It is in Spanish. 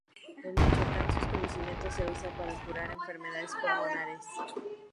En Michoacán su cocimiento se usa para curar enfermedades pulmonares.